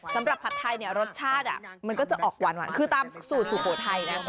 ผัดไทยเนี่ยรสชาติมันก็จะออกหวานคือตามสูตรสุโขทัยนะ